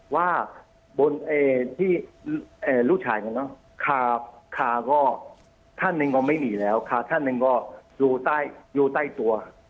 ว่าบนที่ลูกชายของเขาคาก็ท่านหนึ่งก็ไม่หนีแล้วขาท่านหนึ่งก็อยู่ใต้ตัว